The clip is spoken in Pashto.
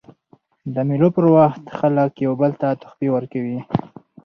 د مېلو پر وخت خلک یو بل ته تحفې ورکوي.